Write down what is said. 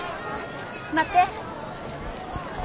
待って。